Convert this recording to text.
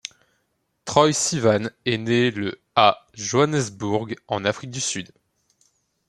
Troye Sivan est né le à Johannesburg en Afrique du Sud.